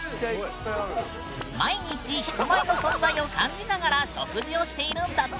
毎日ヒプマイの存在を感じながら食事をしているんだって！